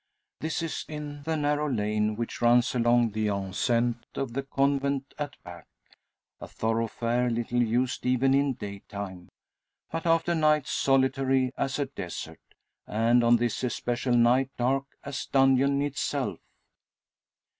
This is in the narrow lane which runs along: the enceinte of the convent at back; a thoroughfare little used even in daytime, but after night solitary as a desert, and on this especial night dark as dungeon itself.